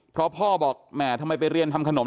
เพราะพ่อบอกแหมทำไมไปเรียนทำขนม